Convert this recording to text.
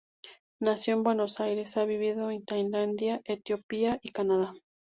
Nació en Buenos Aires, ha vivido en Tailandia, Etiopía, y Canadá.